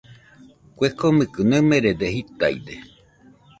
Kue komekɨ naɨmerede jitaide.